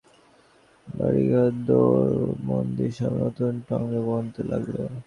বাড়ী ঘর দোর মন্দির সব নূতন ঢঙে বনতে লাগল।